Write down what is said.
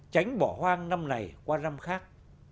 tránh bỏ hoang năm này qua năm khác